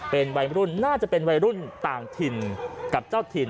เป็นวัยรุ่นน่าจะเป็นวัยรุ่นต่างถิ่นกับเจ้าถิ่น